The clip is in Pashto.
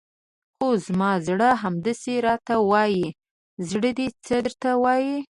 خو زما زړه همداسې راته وایي، زړه دې څه درته وایي؟